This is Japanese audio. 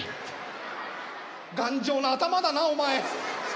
頑丈な頭だなお前。